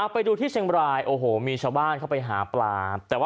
ไปดูที่เชงไบรายมีชาวบ้านเข้าไปหาปลา